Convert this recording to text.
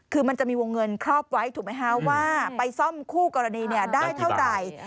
คือมันจะมีวงเงินครอบไว้ถูกไหมคะว่าไปซ่อมคู่กรณีได้เท่าไหร่